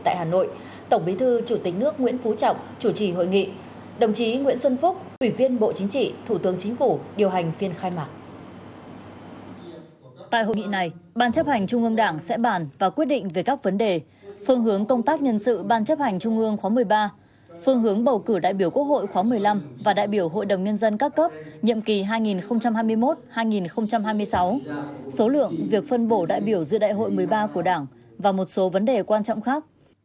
phương hướng công tác nhân sự ban chấp hành trung ương khóa một mươi ba phương hướng bầu cử đại biểu quốc hội khóa một mươi năm và đại biểu hội đồng nhân dân các cấp nhiệm kỳ hai nghìn hai mươi một hai nghìn hai mươi sáu số lượng việc phân bổ đại biểu giữa đại hội một mươi ba của đảng và một số vấn đề quan trọng khác